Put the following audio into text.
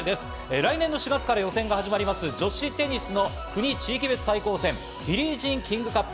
来年４月から予選が始まる女子テニスの国・地域別対抗戦、ビリー・ジーン・キング・カップ。